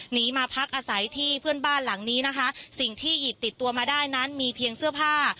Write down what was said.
หนีมาพักอาศัยที่เพื่อนบ้านหลังนี้นะคะสิ่งที่หยิบติดตัวมาได้นั้นมีเพียงเสื้อผ้า